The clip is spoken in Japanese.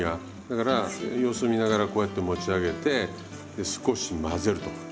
だから様子見ながらこうやって持ち上げてで少し混ぜると。